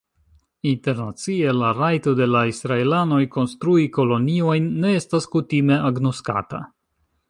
Internacie, la rajto de la Israelanoj konstrui koloniojn ne estas kutime agnoskata.